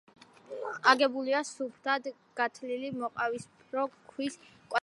აგებულია სუფთად გათლილი მოყავისფრო ქვის კვადრებით.